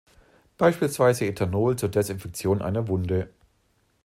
Beispielsweise Ethanol zur Desinfektion einer Wunde.